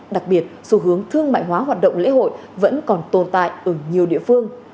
đặc biệt xu hướng thương mại hóa hoạt động lễ hội vẫn còn tồn tại ở nhiều địa phương